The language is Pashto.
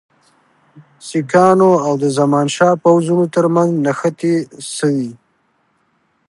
سیکهانو او د زمانشاه پوځونو ترمنځ نښتې سوي.